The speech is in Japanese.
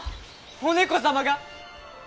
お猫様が！